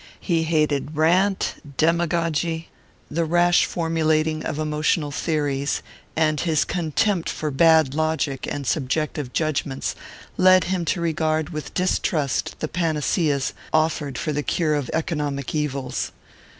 He hated rant, demagogy, the rash formulating of emotional theories; and his contempt for bad logic and subjective judgments led him to regard with distrust the panaceas offered for the cure of economic evils.